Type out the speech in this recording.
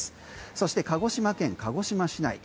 そして鹿児島県鹿児島市内。